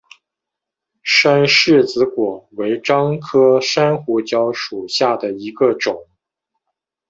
山柿子果为樟科山胡椒属下的一个种。